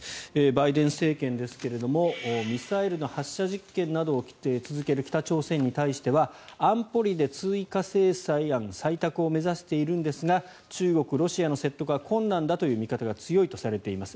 バイデン政権ですがミサイルの発射実験などを続ける北朝鮮に対しては安保理で追加制裁案採択を目指しているんですが中国、ロシアの説得は困難だという見方が強いとされています。